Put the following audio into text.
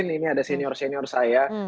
ini ada senior senior saya